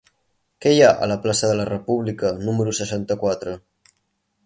Què hi ha a la plaça de la República número seixanta-quatre?